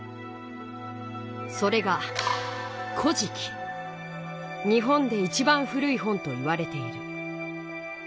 それが日本でいちばん古い本といわれている。